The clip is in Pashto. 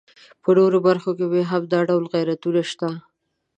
په نورو برخو کې مو هم دا ډول غیرتونه شته.